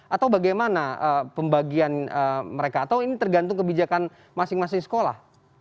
atau bagaimana pembagian mereka atau ini tergantung kebijakan masing masing sekolah